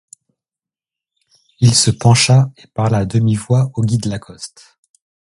Il se pencha et parla à demi-voix au guide Lacoste.